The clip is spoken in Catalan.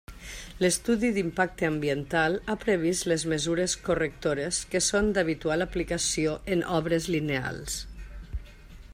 L'estudi d'impacte ambiental ha previst les mesures correctores que són d'habitual aplicació en obres lineals.